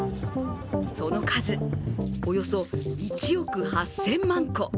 その数、およそ１億８０００万個。